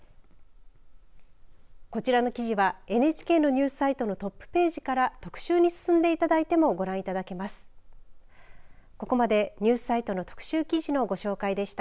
こちらの記事はＮＨＫのニュースサイトのトップページから特集に進んでいただいてもご覧いただけます。